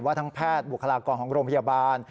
ทั้งแพทย์บุคลากรของโรงพยาบาล